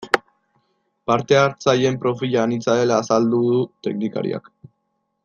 Parte hartzaileen profila anitza dela azaldu du teknikariak.